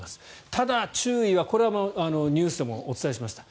ただ、注意はこれはニュースでもお伝えしました。